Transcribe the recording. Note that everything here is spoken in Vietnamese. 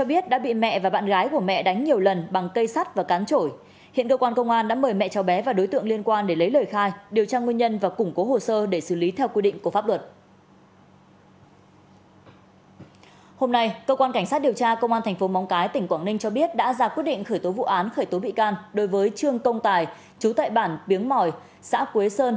liên quan đến vụ nhóm giang hồ bao vây xe chở công an hôm nay cơ quan cảnh sát điều tra công an tp biên hòa đã bắt thêm nghi can tên tuấn thường gọi là tuấn thường gọi là tuấn